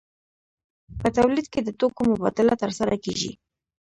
په تولید کې د توکو مبادله ترسره کیږي.